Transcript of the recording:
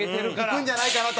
いくんじゃないかなと？